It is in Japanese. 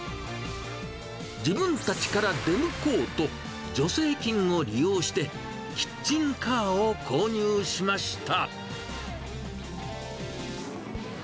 自分たちから出向こうと、助成金を利用してキッチンカーを購入しました。